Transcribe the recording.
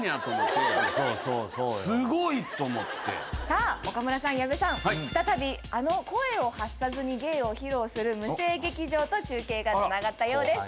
さあ岡村さん矢部さん。再び声を発さずに芸を披露する無声劇場と中継がつながったようです。